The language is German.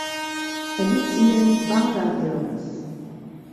Er liegt in den Bunger Hills.